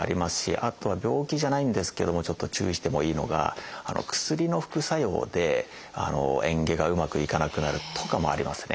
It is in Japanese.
あとは病気じゃないんですけどもちょっと注意してもいいのが薬の副作用でえん下がうまくいかなくなるとかもありますね。